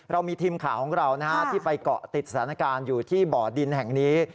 เรามีทีมข่าวของเราที่ไปเกาะติดสถานการณ์อยู่ที่บ่อดินแห่งนี้